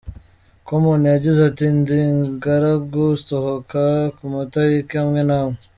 Common yagize ati “Ndi ingaragu, nsohoka ku matariki amwe n’amwe.